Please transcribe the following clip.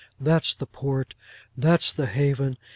That's the port. That's the haven.